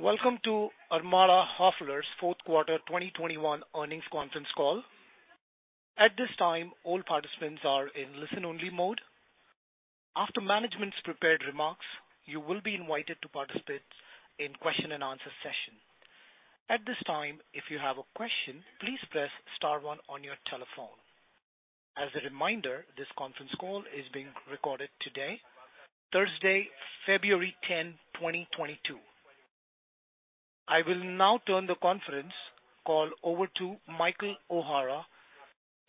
Welcome to Armada Hoffler's fourth quarter 2021 earnings conference call. At this time, all participants are in listen-only mode. After management's prepared remarks, you will be invited to participate in question and answer session. At this time, if you have a question, please press star one on your telephone. As a reminder, this conference call is being recorded today, Thursday, February 10, 2022. I will now turn the conference call over to Michael O'Hara,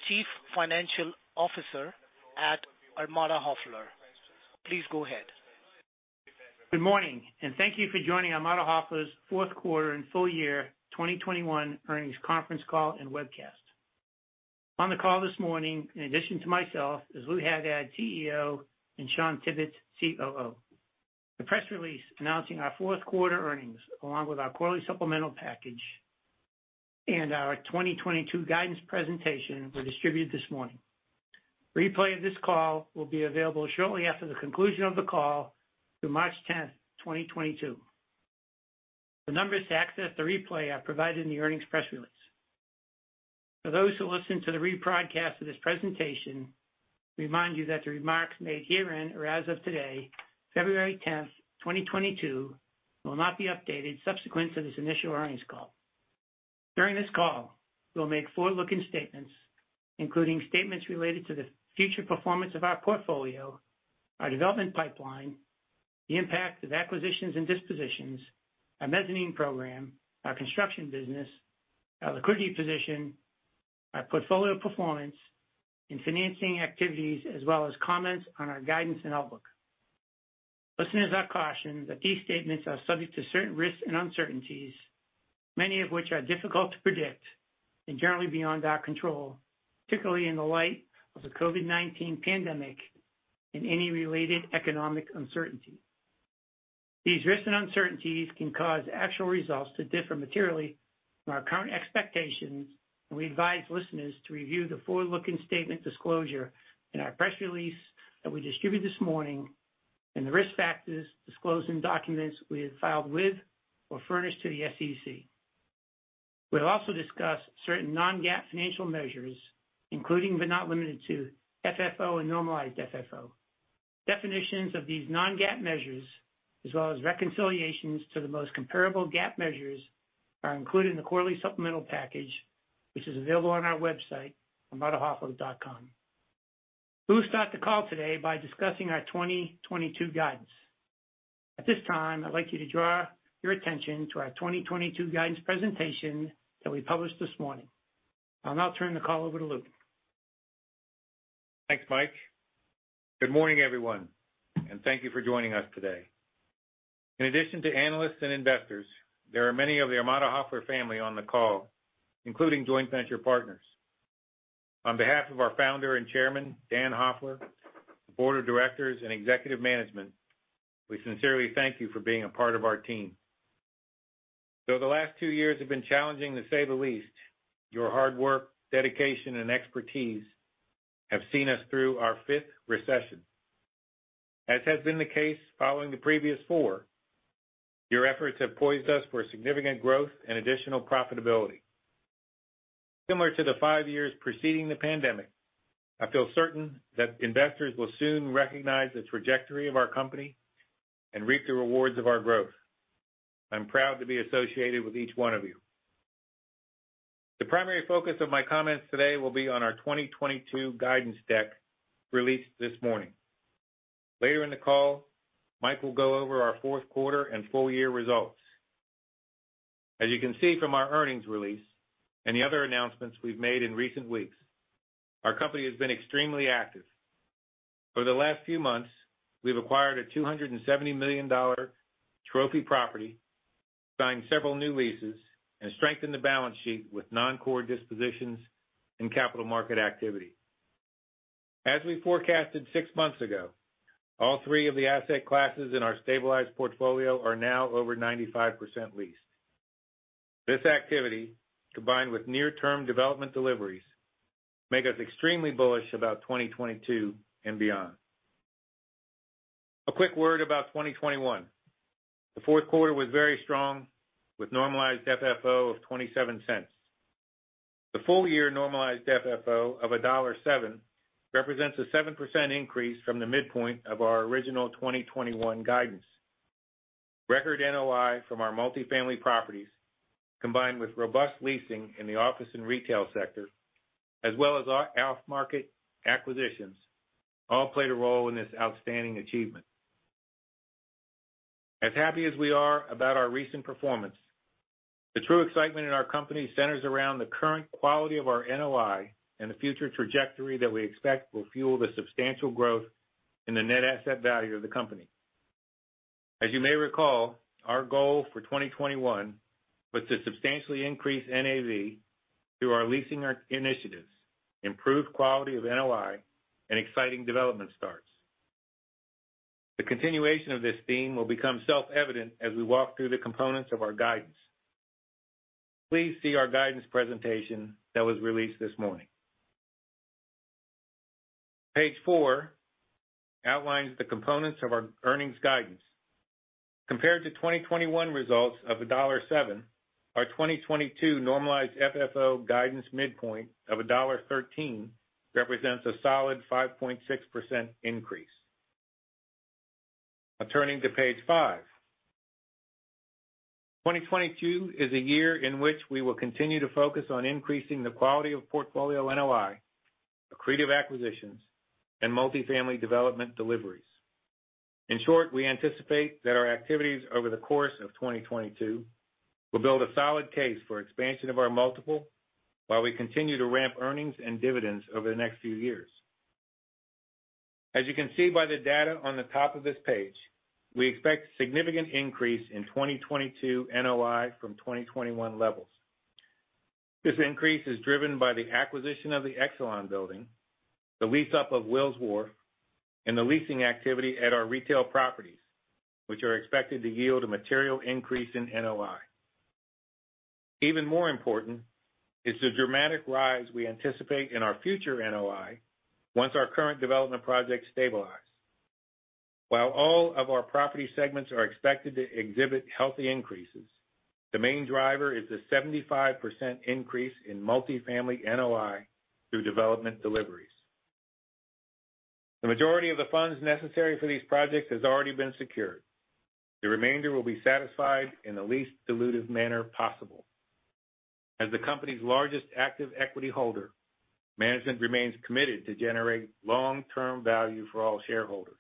Chief Financial Officer at Armada Hoffler. Please go ahead. Good morning, and thank you for joining Armada Hoffler's fourth quarter and full year 2021 earnings conference call and webcast. On the call this morning, in addition to myself, is Lou Haddad, CEO, and Shawn Tibbetts, COO. The press release announcing our fourth quarter earnings, along with our quarterly supplemental package and our 2022 guidance presentation were distributed this morning. Replay of this call will be available shortly after the conclusion of the call through March 10, 2022. The numbers to access the replay are provided in the earnings press release. For those who listen to the rebroadcast of this presentation, remind you that the remarks made herein or as of today, February 10, 2022, will not be updated subsequent to this initial earnings call. During this call, we'll make forward-looking statements, including statements related to the future performance of our portfolio, our development pipeline, the impact of acquisitions and dispositions, our mezzanine program, our construction business, our liquidity position, our portfolio performance and financing activities, as well as comments on our guidance and outlook. Listeners are cautioned that these statements are subject to certain risks and uncertainties, many of which are difficult to predict and generally beyond our control, particularly in the light of the COVID-19 pandemic and any related economic uncertainty. These risks and uncertainties can cause actual results to differ materially from our current expectations, and we advise listeners to review the forward-looking statement disclosure in our press release that we distributed this morning and the risk factors disclosed in documents we have filed with or furnished to the SEC. We'll also discuss certain non-GAAP financial measures, including, but not limited to FFO and normalized FFO. Definitions of these non-GAAP measures, as well as reconciliations to the most comparable GAAP measures, are included in the quarterly supplemental package, which is available on our website, armadahoffler.com. We'll start the call today by discussing our 2022 guidance. At this time, I'd like you to draw your attention to our 2022 guidance presentation that we published this morning. I'll now turn the call over to Lou. Thanks, Mike. Good morning, everyone, and thank you for joining us today. In addition to analysts and investors, there are many of the Armada Hoffler family on the call, including joint venture partners. On behalf of our founder and chairman, Dan Hoffler, the board of directors and executive management, we sincerely thank you for being a part of our team. Though the last two years have been challenging, to say the least, your hard work, dedication, and expertise have seen us through our fifth recession. As has been the case following the previous four, your efforts have poised us for significant growth and additional profitability. Similar to the five years preceding the pandemic, I feel certain that investors will soon recognize the trajectory of our company and reap the rewards of our growth. I'm proud to be associated with each one of you. The primary focus of my comments today will be on our 2022 guidance deck released this morning. Later in the call, Mike will go over our fourth quarter and full year results. As you can see from our earnings release and the other announcements we've made in recent weeks, our company has been extremely active. Over the last few months, we've acquired a $270 million trophy property, signed several new leases, and strengthened the balance sheet with non-core dispositions and capital market activity. As we forecasted six months ago, all three of the asset classes in our stabilized portfolio are now over 95% leased. This activity, combined with near-term development deliveries, make us extremely bullish about 2022 and beyond. A quick word about 2021. The fourth quarter was very strong with normalized FFO of $0.27. The full year normalized FFO of $1.07 represents a 7% increase from the midpoint of our original 2021 guidance. Record NOI from our multifamily properties, combined with robust leasing in the office and retail sector, as well as our off-market acquisitions, all played a role in this outstanding achievement. As happy as we are about our recent performance, the true excitement in our company centers around the current quality of our NOI and the future trajectory that we expect will fuel the substantial growth in the net asset value of the company. As you may recall, our goal for 2021 was to substantially increase NAV through our leasing initiatives, improved quality of NOI, and exciting development starts. The continuation of this theme will become self-evident as we walk through the components of our guidance. Please see our guidance presentation that was released this morning. Page four outlines the components of our earnings guidance. Compared to 2021 results of $1.07, our 2022 normalized FFO guidance midpoint of $1.13 represents a solid 5.6% increase. Turning to page 5. 2022 is a year in which we will continue to focus on increasing the quality of portfolio NOI, accretive acquisitions, and multi-family development deliveries. In short, we anticipate that our activities over the course of 2022 will build a solid case for expansion of our multiple, while we continue to ramp earnings and dividends over the next few years. As you can see by the data on the top of this page, we expect significant increase in 2022 NOI from 2021 levels. This increase is driven by the acquisition of the Exelon building, the lease up of Wills Wharf, and the leasing activity at our retail properties, which are expected to yield a material increase in NOI. Even more important is the dramatic rise we anticipate in our future NOI once our current development projects stabilize. While all of our property segments are expected to exhibit healthy increases, the main driver is the 75% increase in multifamily NOI through development deliveries. The majority of the funds necessary for these projects has already been secured. The remainder will be satisfied in the least dilutive manner possible. As the company's largest active equity holder, management remains committed to generate long-term value for all shareholders.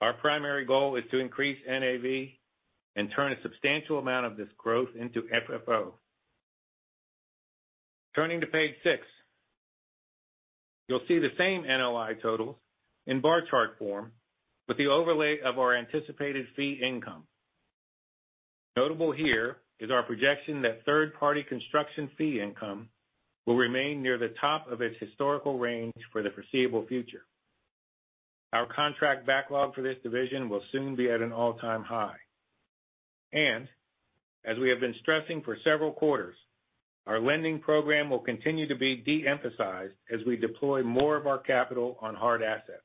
Our primary goal is to increase NAV and turn a substantial amount of this growth into FFO. Turning to page six, you'll see the same NOI totals in bar chart form with the overlay of our anticipated fee income. Notable here is our projection that third-party construction fee income will remain near the top of its historical range for the foreseeable future. Our contract backlog for this division will soon be at an all-time high. As we have been stressing for several quarters, our lending program will continue to be de-emphasized as we deploy more of our capital on hard assets.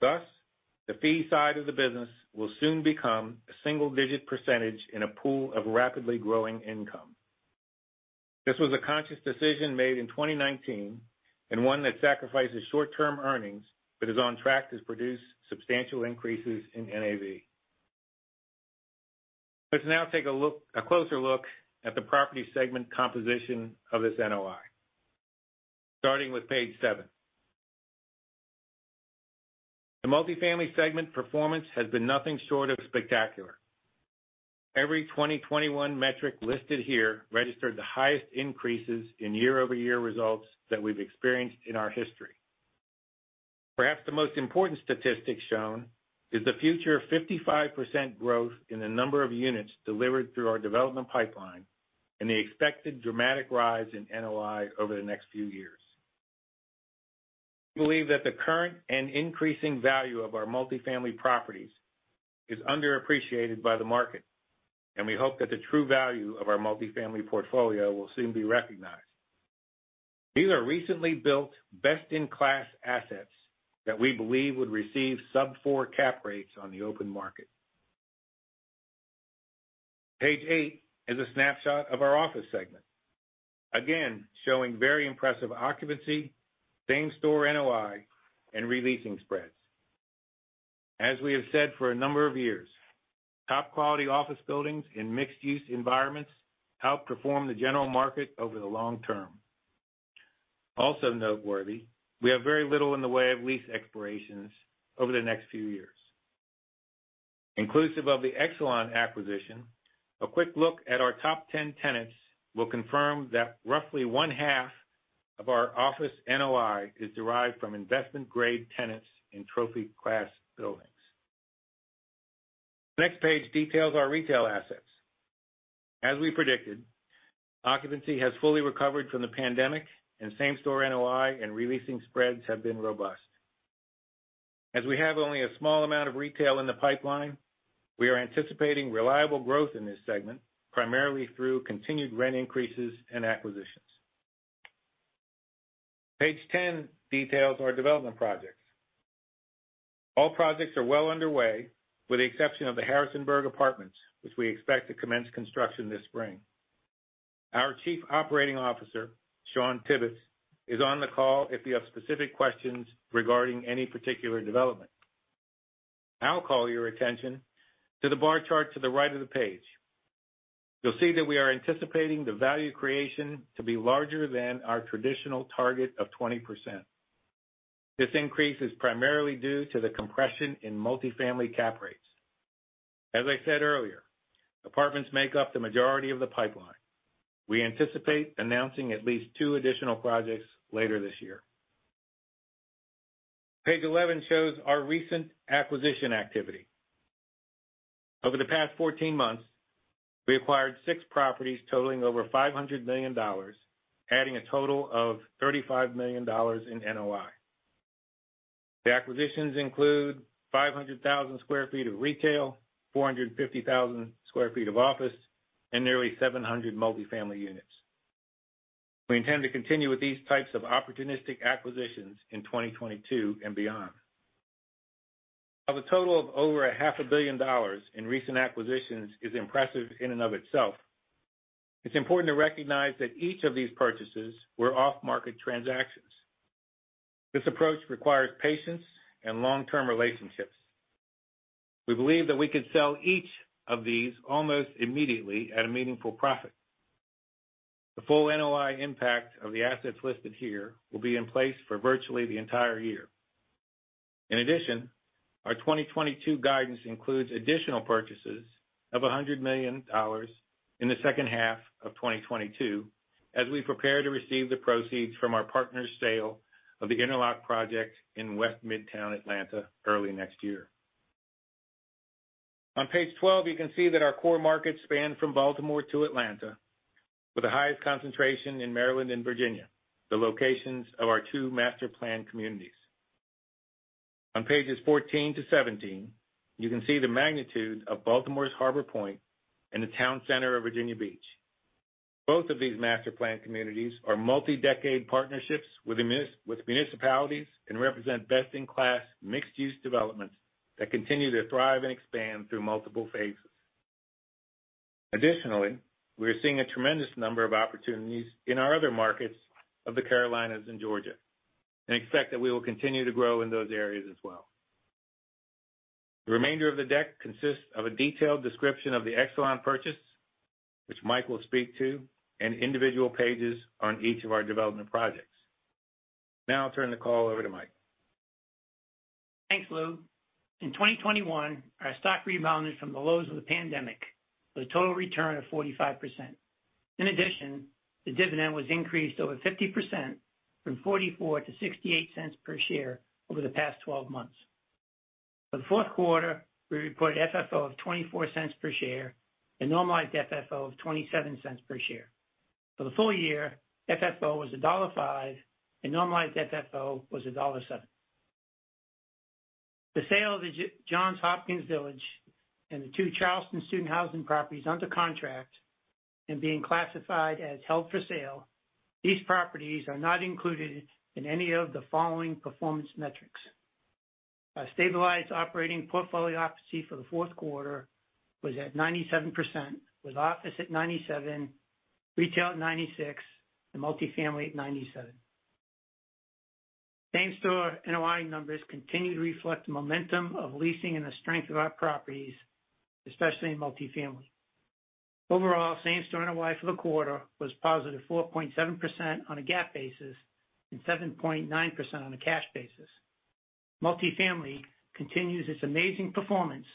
Thus, the fee side of the business will soon become a single-digit percentage in a pool of rapidly growing income. This was a conscious decision made in 2019, and one that sacrifices short-term earnings, but is on track to produce substantial increases in NAV. Let's now take a closer look at the property segment composition of this NOI, starting with page seven. The multifamily segment performance has been nothing short of spectacular. Every 2021 metric listed here registered the highest increases in year-over-year results that we've experienced in our history. Perhaps the most important statistic shown is the future 55% growth in the number of units delivered through our development pipeline and the expected dramatic rise in NOI over the next few years. We believe that the current and increasing value of our multifamily properties is underappreciated by the market, and we hope that the true value of our multifamily portfolio will soon be recognized. These are recently built, best-in-class assets that we believe would receive sub-four cap rates on the open market. Page eight is a snapshot of our office segment. Again, showing very impressive occupancy, same-store NOI, and re-leasing spreads. As we have said for a number of years, top quality office buildings in mixed-use environments outperform the general market over the long term. Also noteworthy, we have very little in the way of lease expirations over the next few years. Inclusive of the Exelon acquisition, a quick look at our top 10 tenants will confirm that roughly 1/2 of our office NOI is derived from investment-grade tenants in trophy class buildings. The next page details our retail assets. As we predicted, occupancy has fully recovered from the pandemic, and same-store NOI and re-leasing spreads have been robust. As we have only a small amount of retail in the pipeline, we are anticipating reliable growth in this segment, primarily through continued rent increases and acquisitions. Page 10 details our development projects. All projects are well underway, with the exception of the Harrisonburg apartments, which we expect to commence construction this spring. Our Chief Operating Officer, Shawn Tibbetts, is on the call if you have specific questions regarding any particular development. I'll call your attention to the bar chart to the right of the page. You'll see that we are anticipating the value creation to be larger than our traditional target of 20%. This increase is primarily due to the compression in multifamily cap rates. As I said earlier, apartments make up the majority of the pipeline. We anticipate announcing at least two additional projects later this year. Page 11 shows our recent acquisition activity. Over the past 14 months, we acquired 6 properties totaling over $500 million, adding a total of $35 million in NOI. The acquisitions include 500,000 sq ft of retail, 450,000 sq ft of office, and nearly 700 multifamily units. We intend to continue with these types of opportunistic acquisitions in 2022 and beyond. While the total of over half a billion dollars in recent acquisitions is impressive in and of itself, it's important to recognize that each of these purchases were off-market transactions. This approach requires patience and long-term relationships. We believe that we could sell each of these almost immediately at a meaningful profit. The full NOI impact of the assets listed here will be in place for virtually the entire year. In addition, our 2022 guidance includes additional purchases of $100 million in the second half of 2022, as we prepare to receive the proceeds from our partner's sale of the Interlock Project in West Midtown Atlanta early next year. On page 12, you can see that our core markets span from Baltimore to Atlanta with the highest concentration in Maryland and Virginia, the locations of our two master planned communities. On pages 14-17, you can see the magnitude of Baltimore's Harbor Point and the town center of Virginia Beach. Both of these master planned communities are multi-decade partnerships with municipalities and represent best in class mixed use developments that continue to thrive and expand through multiple phases. Additionally, we are seeing a tremendous number of opportunities in our other markets of the Carolinas and Georgia, and expect that we will continue to grow in those areas as well. The remainder of the deck consists of a detailed description of the Exelon purchase, which Mike will speak to, and individual pages on each of our development projects. Now I'll turn the call over to Mike. Thanks, Lou. In 2021, our stock rebounded from the lows of the pandemic with a total return of 45%. In addition, the dividend was increased over 50% from $0.44 to $0.68 per share over the past 12 months. For the fourth quarter, we reported FFO of $0.24 per share and normalized FFO of $0.27 per share. For the full year, FFO was $1.05 and normalized FFO was $1.07. The sale of the Johns Hopkins Village and the two Charleston student housing properties under contract and being classified as held for sale. These properties are not included in any of the following performance metrics. Our stabilized operating portfolio occupancy for the fourth quarter was at 97%, with office at 97%, retail at 96%, and multifamily at 97%. Same-store NOI numbers continue to reflect the momentum of leasing and the strength of our properties, especially in multifamily. Overall, same-store NOI for the quarter was positive 4.7% on a GAAP basis and 7.9% on a cash basis. Multifamily continues its amazing performance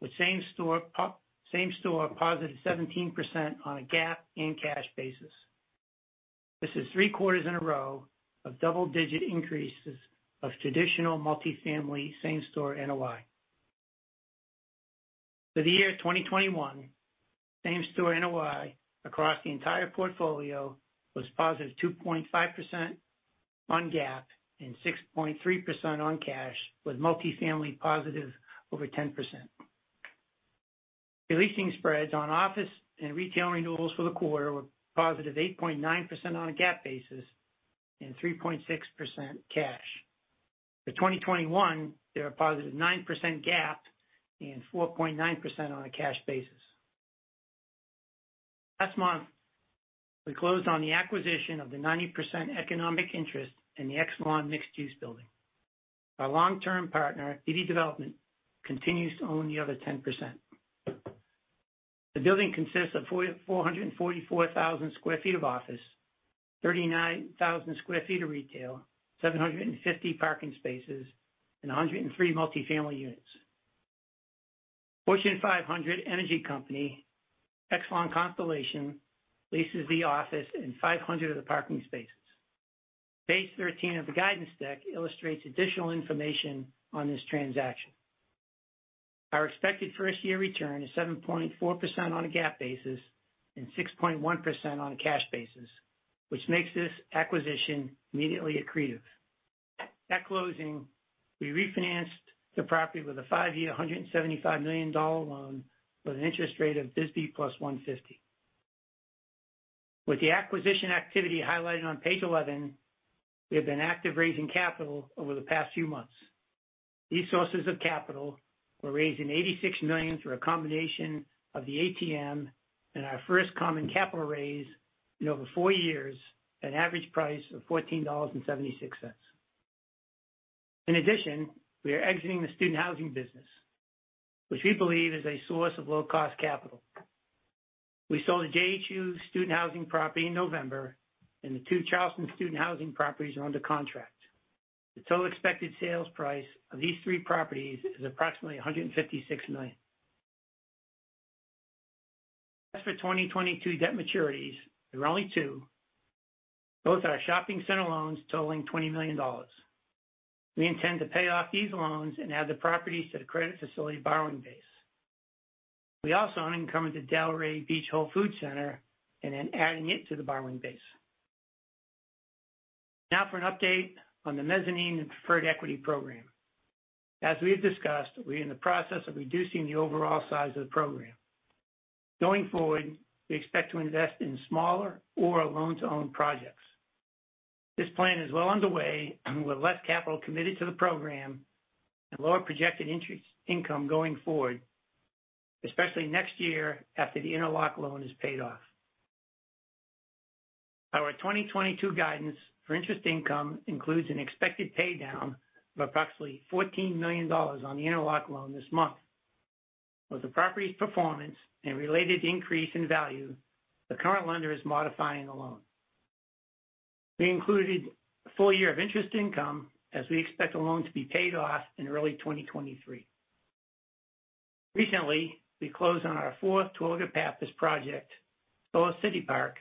with same-store positive 17% on a GAAP and cash basis. This is three quarters in a row of double-digit increases of traditional multifamily same-store NOI. For the year 2021, same-store NOI across the entire portfolio was positive 2.5% on GAAP and 6.3% on cash, with multifamily positive over 10%. The leasing spreads on office and retail renewals for the quarter were positive 8.9% on a GAAP basis and 3.6% cash. For 2021, there's a positive 9% GAAP and 4.9% on a cash basis. Last month, we closed on the acquisition of the 90% economic interest in the Exelon mixed-use building. Our long-term partner, Beatty Development Group, continues to own the other 10%. The building consists of 444,000 sq ft of office, 39,000 sq ft of retail, 750 parking spaces, and 103 multifamily units. Fortune 500 energy company, Constellation Energy, an Exelon subsidiary, leases the office and 500 of the parking spaces. Page 13 of the guidance deck illustrates additional information on this transaction. Our expected first-year return is 7.4% on a GAAP basis and 6.1% on a cash basis, which makes this acquisition immediately accretive. At closing, we refinanced the property with a five-year, $175 million loan with an interest rate of BSBY +150. With the acquisition activity highlighted on page 11, we have been active raising capital over the past few months. These sources of capital were raised in $86 million through a combination of the ATM and our first common capital raise in over four years at an average price of $14.76. In addition, we are exiting the student housing business, which we believe is a source of low cost capital. We sold the JHU student housing property in November, and the two Charleston student housing properties are under contract. The total expected sales price of these three properties is approximately $156 million. As for 2022 debt maturities, there are only two. Both are our shopping center loans totaling $20 million. We intend to pay off these loans and add the properties to the credit facility borrowing base. We also unencumbered the Delray Beach Plaza and then adding it to the borrowing base. Now for an update on the mezzanine and preferred equity program. As we have discussed, we are in the process of reducing the overall size of the program. Going forward, we expect to invest in smaller or loan-to-own projects. This plan is well underway with less capital committed to the program and lower projected interest income going forward, especially next year after the Interlock loan is paid off. Our 2022 guidance for interest income includes an expected pay down of approximately $14 million on the Interlock loan this month. With the property's performance and related increase in value, the current lender is modifying the loan. We included a full year of interest income as we expect the loan to be paid off in early 2023. Recently, we closed on our fourth Terwilliger Pappas project, Solis City Park,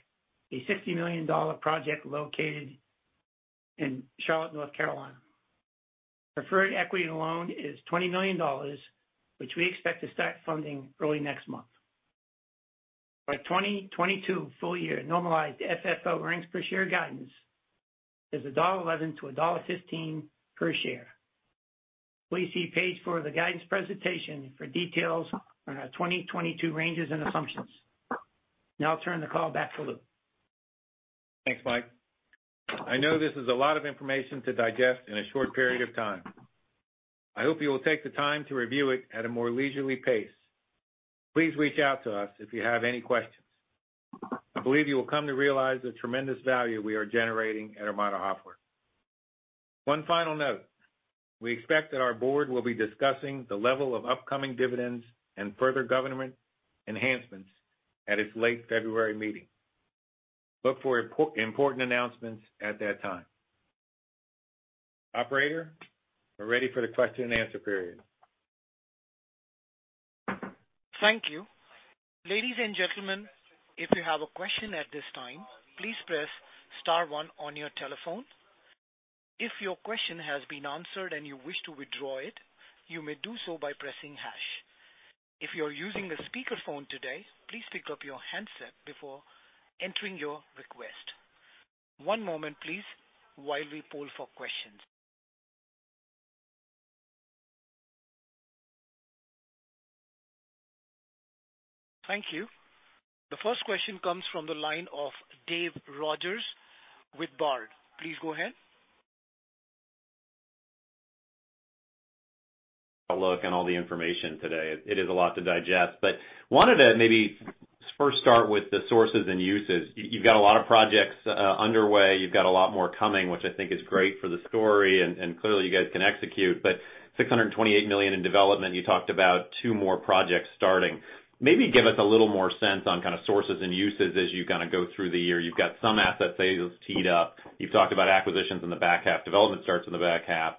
a $60 million project located in Charlotte, North Carolina. Preferred equity loan is $20 million, which we expect to start funding early next month. Our 2022 full year normalized FFO per share guidance is $1.11-$1.15 per share. Please see page four of the guidance presentation for details on our 2022 ranges and assumptions. Now I'll turn the call back to Lou. Thanks, Mike. I know this is a lot of information to digest in a short period of time. I hope you will take the time to review it at a more leisurely pace. Please reach out to us if you have any questions. I believe you will come to realize the tremendous value we are generating at Armada Hoffler. One final note. We expect that our board will be discussing the level of upcoming dividends and further government enhancements at its late February meeting. Look for important announcements at that time. Operator, we're ready for the question and answer period. Thank you. Ladies and gentlemen, if you have a question at this time, please press star one on your telephone. If your question has been answered and you wish to withdraw it, you may do so by pressing hash. If you're using a speakerphone today, please pick up your handset before entering your request. One moment, please, while we poll for questions. Thank you. The first question comes from the line of Dave Rodgers with Baird. Please go ahead. A look at all the information today. It is a lot to digest, but I wanted to maybe start with the sources and uses. You've got a lot of projects underway. You've got a lot more coming, which I think is great for the story and clearly you guys can execute. But $628 million in development, you talked about two more projects starting. Maybe give us a little more sense on kind of sources and uses as you kind of go through the year. You've got some asset sales teed up. You've talked about acquisitions in the back half, development starts in the back half.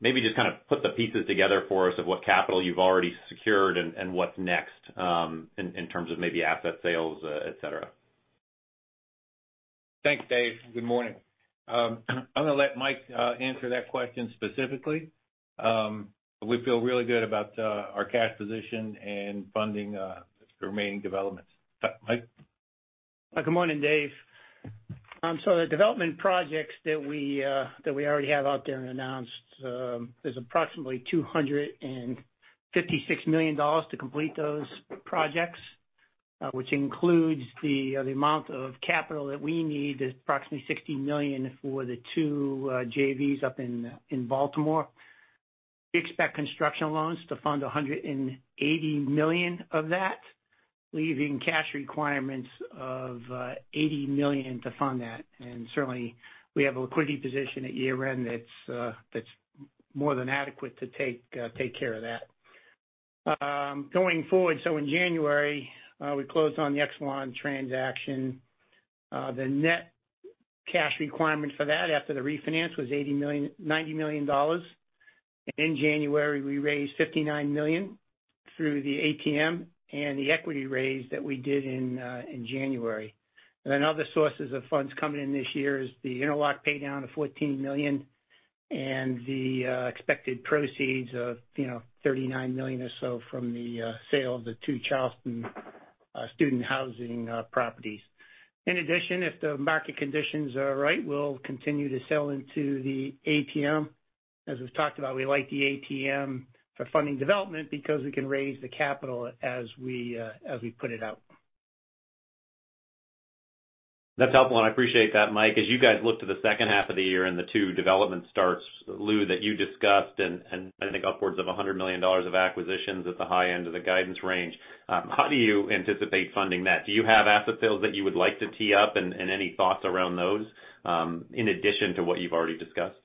Maybe just kind of put the pieces together for us of what capital you've already secured and what's next in terms of maybe asset sales, et cetera. Thanks, Dave. Good morning. I'm gonna let Mike answer that question specifically. We feel really good about our cash position and funding the remaining developments. Mike? Good morning, Dave. The development projects that we already have out there and announced is approximately $256 million to complete those projects, which includes the amount of capital that we need is approximately $60 million for the two JVs up in Baltimore. We expect construction loans to fund $180 million of that, leaving cash requirements of $80 million to fund that. Certainly, we have a liquidity position at year-end that's more than adequate to take care of that. Going forward, in January, we closed on the Exelon transaction. The net cash requirement for that after the refinance was $80 million-$90 million. In January, we raised $59 million through the ATM and the equity raise that we did in January. Other sources of funds coming in this year is the Interlock pay down of $14 million and the expected proceeds of, you know, $39 million or so from the sale of the 2 Charleston student housing properties. In addition, if the market conditions are right, we'll continue to sell into the ATM. As we've talked about, we like the ATM for funding development because we can raise the capital as we put it out. That's helpful, and I appreciate that, Mike. As you guys look to the second half of the year and the two development starts, Lou, that you discussed and I think upwards of $100 million of acquisitions at the high end of the guidance range, how do you anticipate funding that? Do you have asset sales that you would like to tee up and any thoughts around those, in addition to what you've already discussed?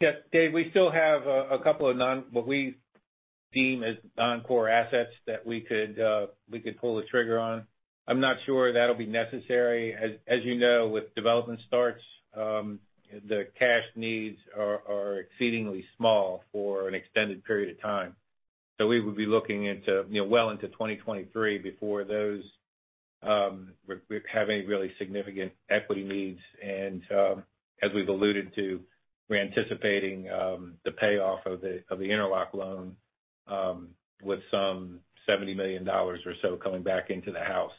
Yes, Dave, we still have a couple of what we deem as non-core assets that we could pull the trigger on. I'm not sure that'll be necessary. As you know, with development starts, the cash needs are exceedingly small for an extended period of time. We would be looking into, you know, well into 2023 before those. We're having really significant equity needs and, as we've alluded to, we're anticipating the payoff of the interlock loan with some $70 million or so coming back into the house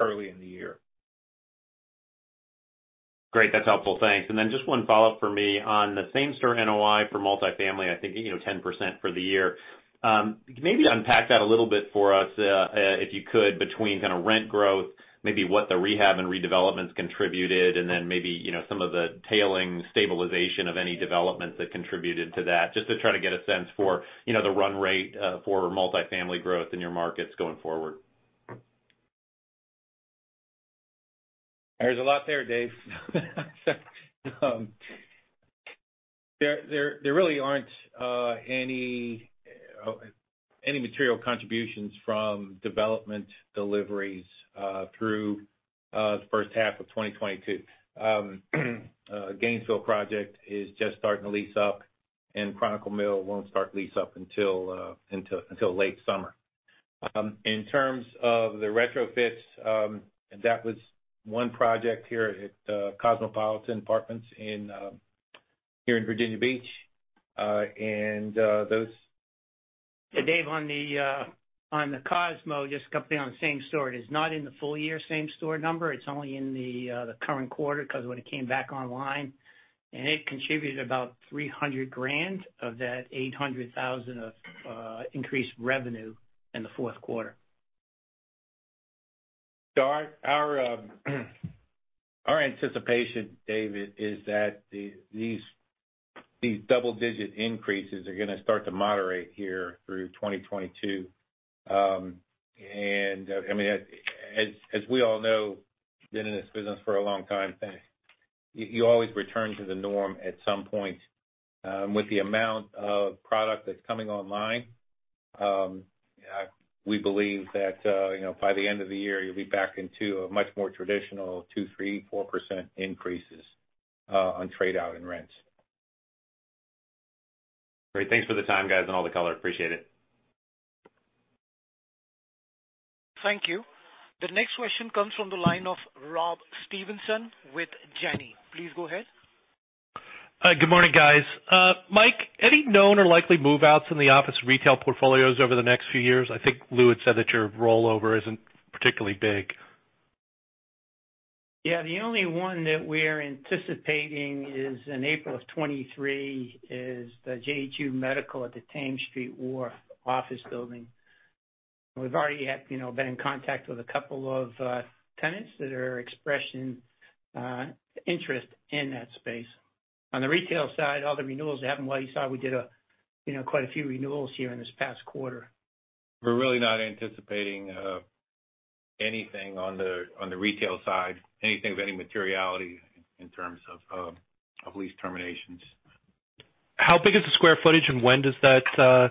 early in the year. Great. That's helpful. Thanks. Just one follow-up for me. On the same-store NOI for multifamily, I think, you know, 10% for the year. Maybe unpack that a little bit for us, if you could, between kind of rent growth, maybe what the rehab and redevelopments contributed, and then maybe, you know, some of the trailing stabilization of any developments that contributed to that. Just to try to get a sense for, you know, the run rate, for multifamily growth in your markets going forward. There's a lot there, Dave. There really aren't any material contributions from development deliveries through the first half of 2022. Gainesville project is just starting to lease up, and Chronicle Mill won't start to lease up until late summer. In terms of the retrofits, that was one project here at Cosmopolitan Apartments here in Virginia Beach. Dave, on the Cosmo, just a couple things on the same-store. It is not in the full-year same-store number. It's only in the current quarter 'cause when it came back online. It contributed about $300,000 of that $800,000 of increased revenue in the fourth quarter. Our anticipation, David, is that double-digit increases are gonna start to moderate here through 2022. I mean, as we all know, we've been in this business for a long time, you always return to the norm at some point. With the amount of product that's coming online, we believe that, you know, by the end of the year, you'll be back into a much more traditional 2%, 3%, 4% increases on trade out and rents. Great. Thanks for the time, guys, and all the color. Appreciate it. Thank you. The next question comes from the line of Rob Stevenson with Janney. Please go ahead. Hi. Good morning, guys. Mike, any known or likely move-outs in the office retail portfolios over the next few years? I think Lou had said that your rollover isn't particularly big. Yeah. The only one that we're anticipating is in April 2023, is the Johns Hopkins Medicine at the Thames Street Wharf office building. We've already had, you know, been in contact with a couple of tenants that are expressing interest in that space. On the retail side, all the renewals that happened, well, you saw we did a, you know, quite a few renewals here in this past quarter. We're really not anticipating anything on the retail side, anything of any materiality in terms of lease terminations. How big is the square footage and when does that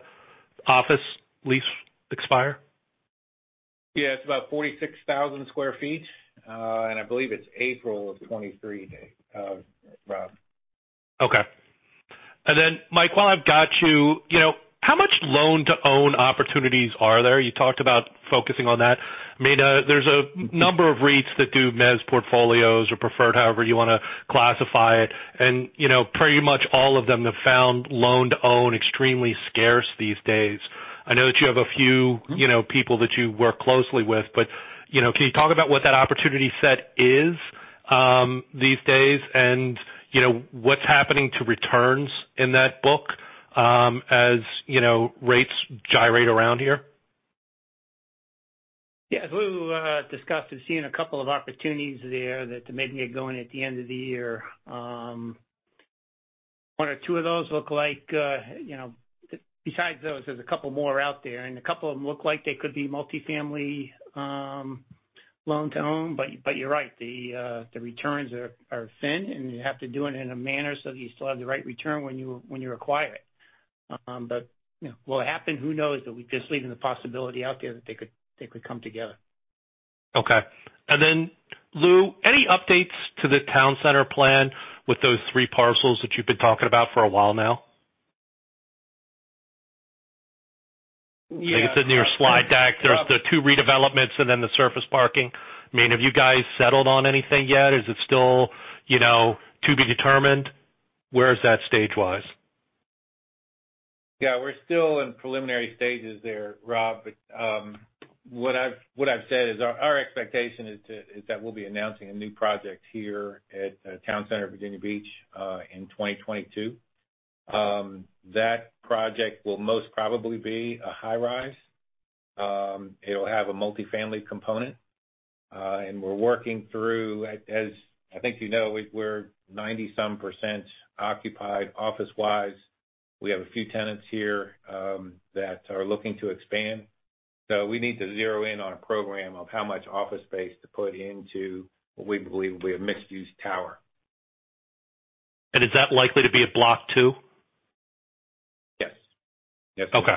office lease expire? Yeah. It's about 46,000 sq ft. I believe it's April of 2023, Dave, Rob. Okay. Then Mike, while I've got you know, how much loan-to-own opportunities are there? You talked about focusing on that. I mean, there's a number of REITs that do mezz portfolios or preferred, however you wanna classify it. You know, pretty much all of them have found loan-to-own extremely scarce these days. I know that you have a few you know, people that you work closely with. You know, can you talk about what that opportunity set is, these days? You know, what's happening to returns in that book, as you know, rates gyrate around here? Yeah. As Lou discussed, we've seen a couple of opportunities there that may get going at the end of the year. One or two of those look like you know. Besides those, there's a couple more out there, and a couple of them look like they could be multifamily loan-to-own. But you're right, the returns are thin and you have to do it in a manner so that you still have the right return when you acquire it. But you know, will it happen? Who knows? We're just leaving the possibility out there that they could come together. Okay. Lou, any updates to the Town Center plan with those three parcels that you've been talking about for a while now? Yeah. It's in your slide deck. There's the two redevelopments and then the surface parking. I mean, have you guys settled on anything yet? Is it still, you know, to be determined? Where is that stage-wise? Yeah. We're still in preliminary stages there, Rob. What I've said is our expectation is that we'll be announcing a new project here at Town Center Virginia Beach in 2022. That project will most probably be a high-rise. It'll have a multifamily component. We're working through, as I think you know, we're 90-some% occupied office-wise. We have a few tenants here that are looking to expand. We need to zero in on a program of how much office space to put into what we believe will be a mixed-use tower. Is that likely to be at Block Two? Yes. Yes. Okay.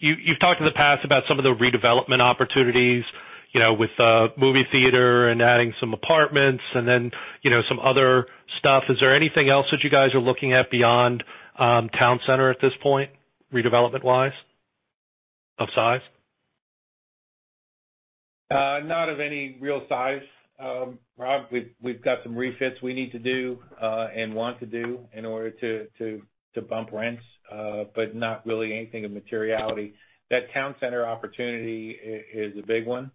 You've talked in the past about some of the redevelopment opportunities. You know, with the movie theater and adding some apartments and then, you know, some other stuff, is there anything else that you guys are looking at beyond Town Center at this point, redevelopment-wise, of size? Not of any real size, Rob. We've got some refits we need to do and want to do in order to bump rents, but not really anything of materiality. That Town Center opportunity is a big one.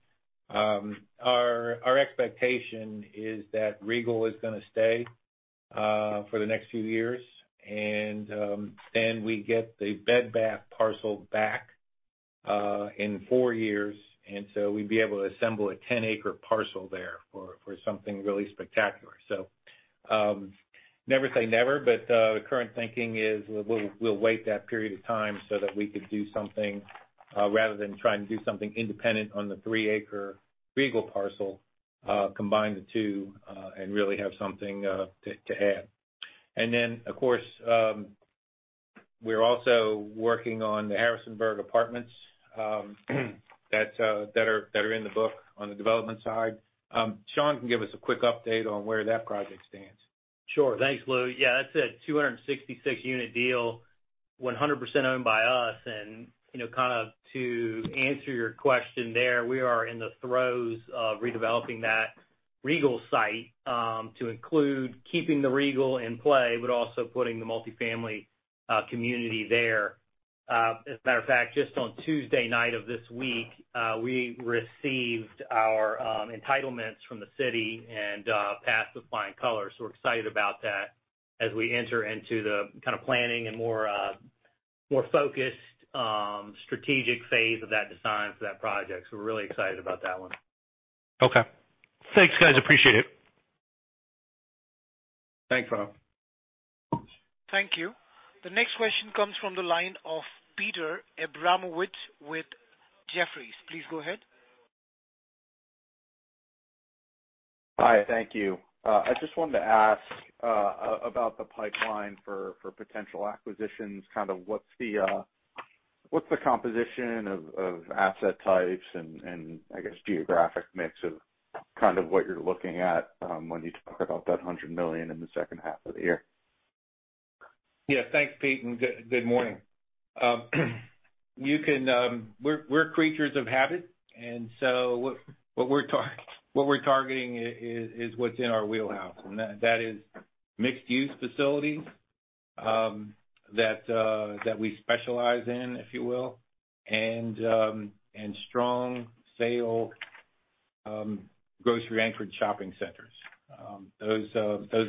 Our expectation is that Regal is gonna stay for the next few years, and then we get the Bed Bath parcel back in four years, and so we'd be able to assemble a 10-acre parcel there for something really spectacular. Never say never, but the current thinking is we'll wait that period of time so that we could do something rather than trying to do something independent on the three-acre Regal parcel, combine the two, and really have something to add. Of course, we're also working on the Harrisonburg apartments that are in the book on the development side. Shawn can give us a quick update on where that project stands. Sure. Thanks, Lou. Yeah, that's a 266-unit deal, 100% owned by us. You know, kind of to answer your question there, we are in the throes of redeveloping that Regal site to include keeping the Regal in play, but also putting the multifamily community there. As a matter of fact, just on Tuesday night of this week, we received our entitlements from the city and passed with flying colors. We're excited about that as we enter into the kind of planning and more focused strategic phase of that design for that project. We're really excited about that one. Okay. Thanks, guys. Appreciate it. Thanks, Rob. Thank you. The next question comes from the line of Peter Abramowitz with Jefferies. Please go ahead. Hi. Thank you. I just wanted to ask about the pipeline for potential acquisitions, kind of what's the composition of asset types and I guess geographic mix of kind of what you're looking at when you talk about that $100 million in the second half of the year? Thanks, Pete, and good morning. We're creatures of habit, and so what we're targeting is what's in our wheelhouse, and that is mixed-use facilities that we specialize in, if you will, and strong standalone grocery-anchored shopping centers. Those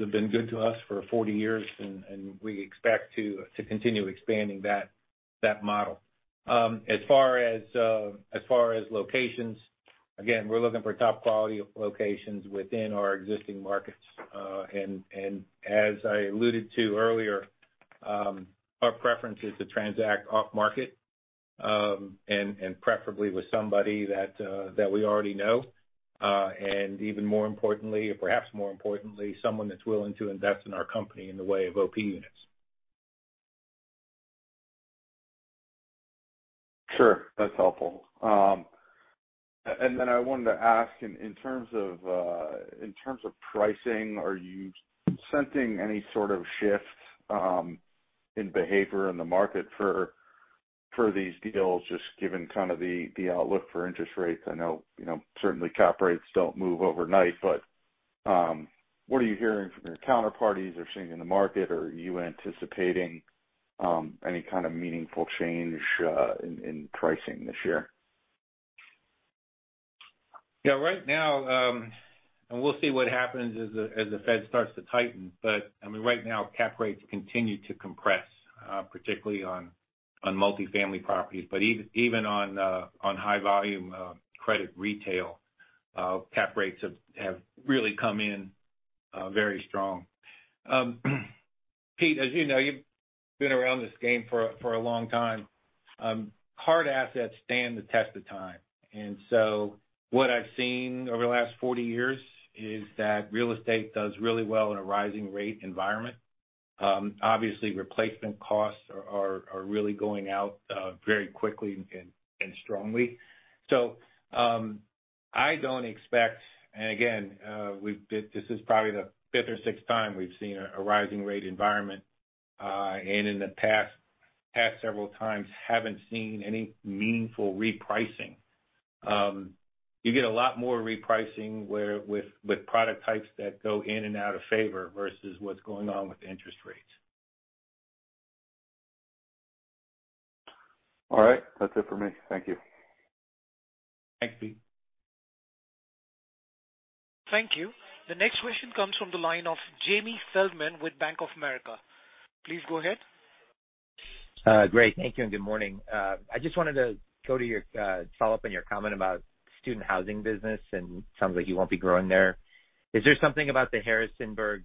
have been good to us for 40 years and we expect to continue expanding that model. As far as locations, again, we're looking for top-quality locations within our existing markets. And as I alluded to earlier, our preference is to transact off-market, and preferably with somebody that we already know. Even more importantly, or perhaps more importantly, someone that's willing to invest in our company in the way of OP units. Sure. That's helpful. I wanted to ask in terms of pricing, are you sensing any sort of shift in behavior in the market for these deals, just given kind of the outlook for interest rates? I know, you know, certainly cap rates don't move overnight, but what are you hearing from your counterparties or seeing in the market? Are you anticipating any kind of meaningful change in pricing this year? Right now, we'll see what happens as the Fed starts to tighten. I mean, right now, cap rates continue to compress, particularly on multifamily properties. Even on high volume credit retail, cap rates have really come in very strong. Peter, as you know, you've been around this game for a long time. Hard assets stand the test of time. What I've seen over the last 40 years is that real estate does really well in a rising rate environment. Obviously replacement costs are really going out very quickly and strongly. I don't expect. Again, this is probably the fifth or sixth time we've seen a rising rate environment. In the past several times, haven't seen any meaningful repricing. You get a lot more repricing whereas with product types that go in and out of favor versus what's going on with interest rates. All right. That's it for me. Thank you. Thanks, Pete. Thank you. The next question comes from the line of Jamie Feldman with Bank of America. Please go ahead. Great. Thank you and good morning. I just wanted to go to your follow up on your comment about student housing business, and it sounds like you won't be growing there. Is there something about the Harrisonburg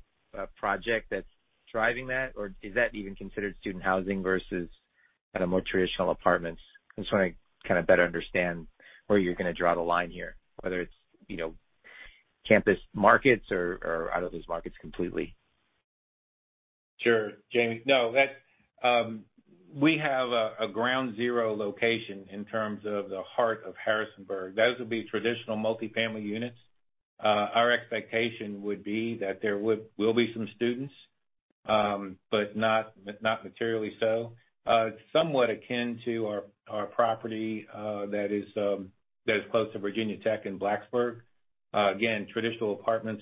project that's driving that? Or is that even considered student housing versus kind of more traditional apartments? I just wanna kind of better understand where you're gonna draw the line here, whether it's, you know, campus markets or out of those markets completely. Sure, Jamie. No, we have a ground zero location in terms of the heart of Harrisonburg. Those will be traditional multi-family units. Our expectation would be that there will be some students, but not materially so. It's somewhat akin to our property that is close to Virginia Tech in Blacksburg. Again, traditional apartments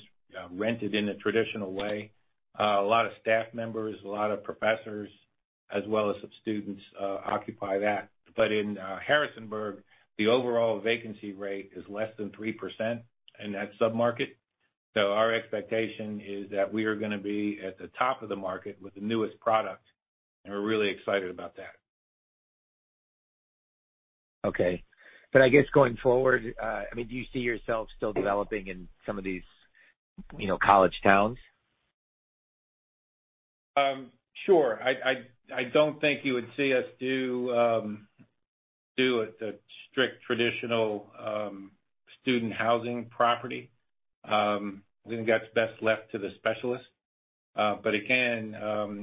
rented in a traditional way. A lot of staff members, a lot of professors, as well as some students occupy that. In Harrisonburg, the overall vacancy rate is less than 3% in that sub-market. Our expectation is that we are gonna be at the top of the market with the newest product, and we're really excited about that. I guess going forward, I mean, do you see yourself still developing in some of these, you know, college towns? Sure. I don't think you would see us do a strict traditional student housing property. We think that's best left to the specialists. Again,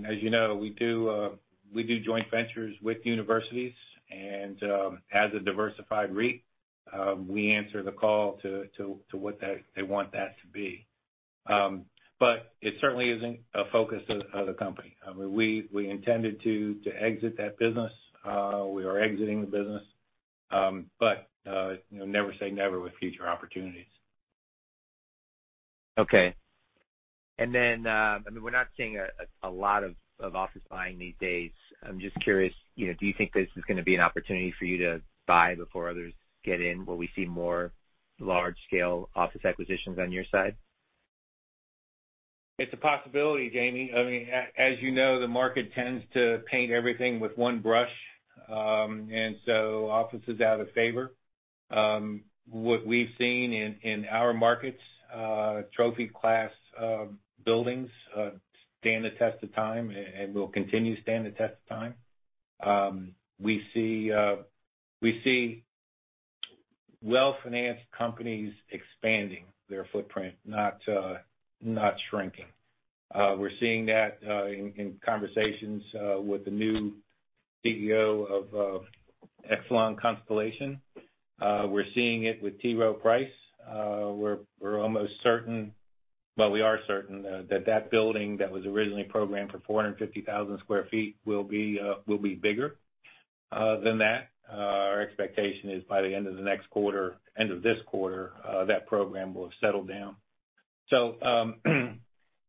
as you know, we do joint ventures with universities and, as a diversified REIT, we answer the call to what they want that to be. It certainly isn't a focus of the company. I mean, we intended to exit that business. We are exiting the business, but you know, never say never with future opportunities. Okay. I mean, we're not seeing a lot of office buying these days. I'm just curious, you know, do you think this is gonna be an opportunity for you to buy before others get in? Will we see more large-scale office acquisitions on your side? It's a possibility, Jamie. I mean, as you know, the market tends to paint everything with one brush. Office is out of favor. What we've seen in our markets, trophy class buildings stand the test of time and will continue to stand the test of time. We see well-financed companies expanding their footprint, not shrinking. We're seeing that in conversations with the new CEO of Constellation Energy. We're seeing it with T. Rowe Price. We're almost certain, well, we are certain that that building that was originally programmed for 450,000 sq ft will be bigger than that. Our expectation is by the end of this quarter that program will have settled down.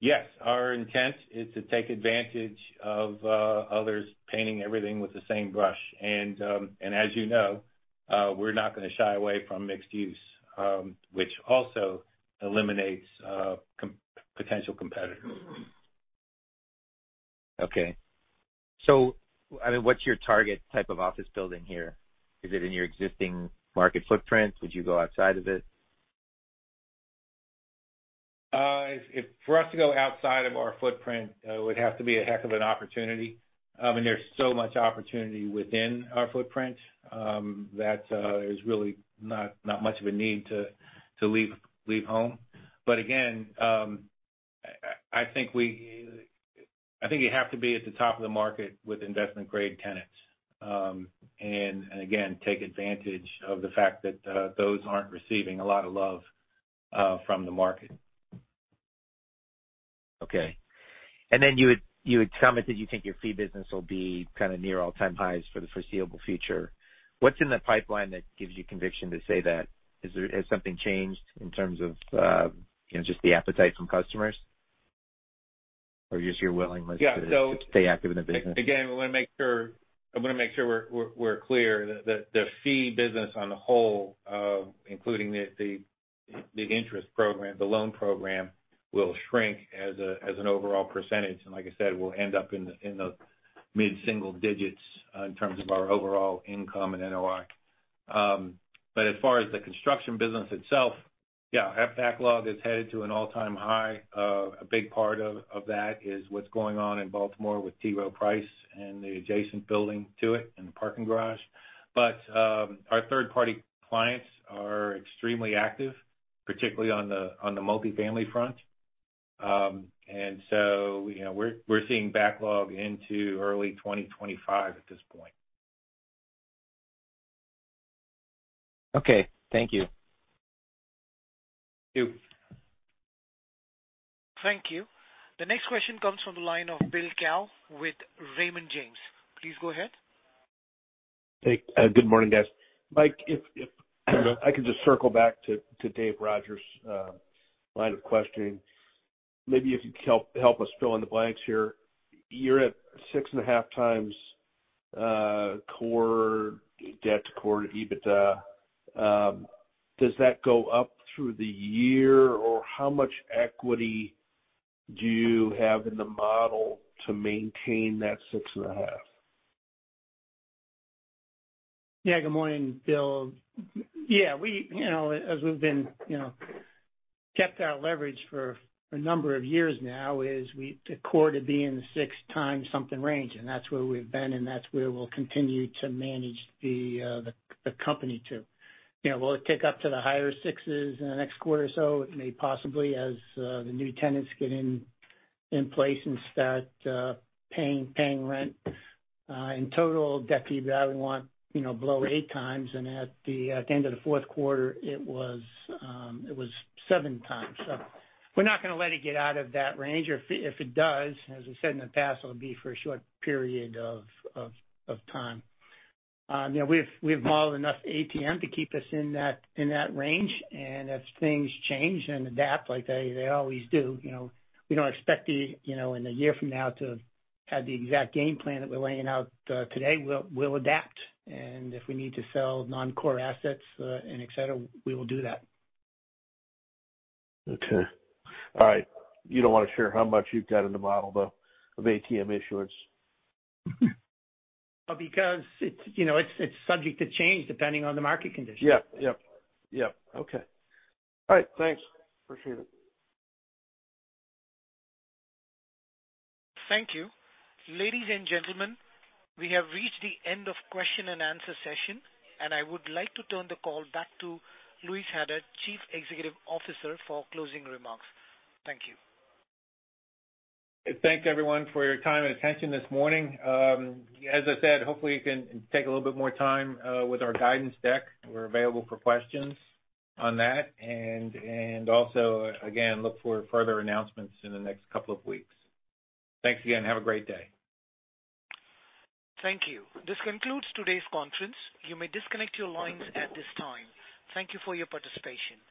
Yes, our intent is to take advantage of others painting everything with the same brush. As you know, we're not gonna shy away from mixed use, which also eliminates potential competitors. Okay. I mean, what's your target type of office building here? Is it in your existing market footprint? Would you go outside of it? For us to go outside of our footprint would have to be a heck of an opportunity. I mean, there's so much opportunity within our footprint that there's really not much of a need to leave home. I think you have to be at the top of the market with investment-grade tenants. Take advantage of the fact that those aren't receiving a lot of love from the market. Okay. You had commented you think your fee business will be kind of near all-time highs for the foreseeable future. What's in the pipeline that gives you conviction to say that? Has something changed in terms of, you know, just the appetite from customers? Or just your willingness to stay active in the business. Again, I wanna make sure we're clear that the fee business on the whole, including the interest program, the loan program, will shrink as an overall percentage. Like I said, we'll end up in the mid-single digits in terms of our overall income and NOI. As far as the construction business itself, yeah, our backlog is headed to an all-time high. A big part of that is what's going on in Baltimore with T. Rowe Price and the adjacent building to it and the parking garage. Our third-party clients are extremely active, particularly on the multifamily front. You know, we're seeing backlog into early 2025 at this point. Okay. Thank you. Thank you. Thank you. The next question comes from the line of Bill Crow with Raymond James. Please go ahead. Hey, good morning, guys. Mike, if I could just circle back to Dave Rodgers' line of questioning. Maybe if you could help us fill in the blanks here. You're at 6.5x core debt to core EBITDA. Does that go up through the year? Or how much equity do you have in the model to maintain that 6.5x? Good morning, Bill. We, you know, as we've been, you know, kept our leverage for a number of years now, the core to be in the 6x something range, and that's where we've been, and that's where we'll continue to manage the company to. You know, will it tick up to the higher 6s in the next quarter or so? It may possibly, as the new tenants get in place and start paying rent. In total debt to EBITDA, we want, you know, below 8x, and at the end of the fourth quarter, it was 7x. We're not gonna let it get out of that range. Or if it does, as I said in the past, it'll be for a short period of time. You know, we've modeled enough ATM to keep us in that range. As things change and adapt like they always do, you know, we don't expect, you know, in a year from now to have the exact game plan that we're laying out, today. We'll adapt. If we need to sell non-core assets, and et cetera, we will do that. Okay. All right. You don't wanna share how much you've got in the model, though, of ATM issuance? Because it's, you know, it's subject to change depending on the market conditions. Yeah. Yep. Okay. All right, thanks. Appreciate it. Thank you. Ladies and gentlemen, we have reached the end of question and answer session, and I would like to turn the call back to Lou Haddad, Chief Executive Officer, for closing remarks. Thank you. Thank you everyone for your time and attention this morning. As I said, hopefully you can take a little bit more time with our guidance deck. We're available for questions on that. Also, again, look for further announcements in the next couple of weeks. Thanks again. Have a great day. Thank you. This concludes today's conference. You may disconnect your lines at this time. Thank you for your participation.